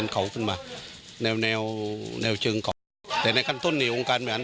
ขึ้นมาแนวแนวแนวจึงเกาะแต่ในขั้นต้นเนี่ยองค์การแบ่ง